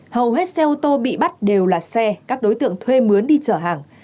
hầu hết xe ô tô bị bắt đều là xe các đối tượng thuê mướn đi chở hàng